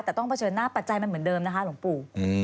แต่ต้องเผชิญหน้าปัจจัยมันเหมือนเดิมนะคะหลวงปู่